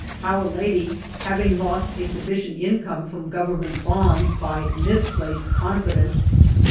How A Lady. HAVING LOST A SUFFICIENT INCOME — l ROM — I' B BY MISPLACED CONFIDENCE.